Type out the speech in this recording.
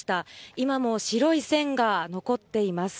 今も白い線が残っています。